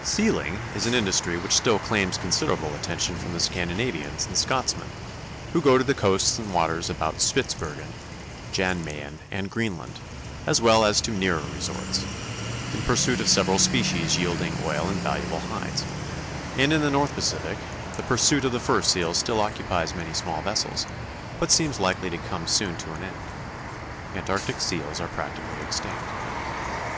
Sealing is an industry which still claims considerable attention from the Scandinavians and Scotchmen who go to the coasts and waters about Spitzbergen, Jan Mayen, and Greenland, as well as to nearer resorts, in pursuit of several species yielding oil and valuable hides; and in the North Pacific the pursuit of the fur seal still occupies many small vessels, but seems likely to come soon to an end. Antarctic seals are practically extinct.